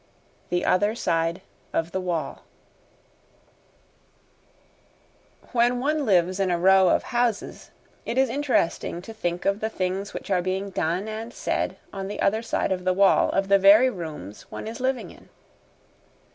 12 The Other Side of the Wall When one lives in a row of houses, it is interesting to think of the things which are being done and said on the other side of the wall of the very rooms one is living in.